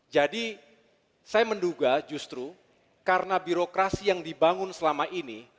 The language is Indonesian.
jadi saya menduga justru karena birokrasi yang dibangun selama ini